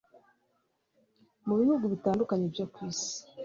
mu bihugu bitandukanye byo ku isi